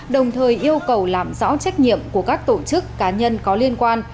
đồng thời yêu cầu làm rõ trách nhiệm của các tổ chức cá nhân có liên quan